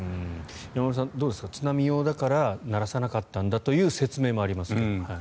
山村さん、津波用だから鳴らさなかったんだという説明もありますけれど。